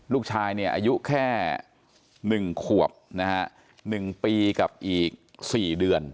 ลูกชายเนี่ยอายุแค่๑ขวบนะฮะ๑ปีกับอีก๔เดือน